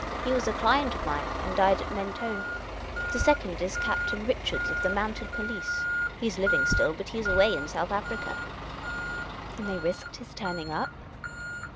He was a client of mine, and died at Mentone. The second is Captain Rich ards, of the Mounted Police : he 's living still, but he 's away in South Africa." " Then they risked his turning up